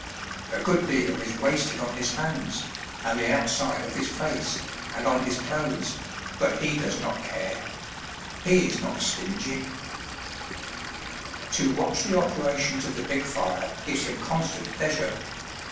A good deal is wasted on his hands, and the outside of his face, and on his clothes, but he does not care; he is not stingy. US M Y BOOK HOUSE To watch the operations of the big fire gives him constant pleasure.